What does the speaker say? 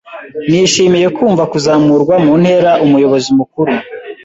Nishimiye kumva kuzamurwa mu ntera Umuyobozi mukuru.